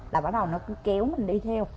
là bắt đầu nó cứ kéo mình đi theo